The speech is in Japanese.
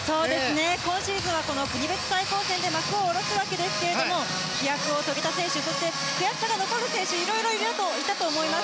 今シーズンは国別対抗戦で幕を下ろすわけですが飛躍を遂げた選手そして悔しさが残る選手色々いたと思います。